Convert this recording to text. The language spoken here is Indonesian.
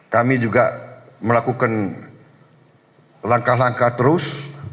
kami juga melakukan langkah langkah terus